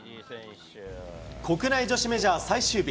国内女子メジャー最終日。